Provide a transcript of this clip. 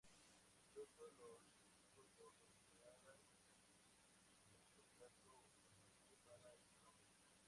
Incluso los críticos lo consideran un candidato factible para el Nobel.